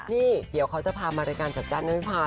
นี่เดี๋ยวเขาจะพามารายการสัตว์จัดนะพี่ฟ้า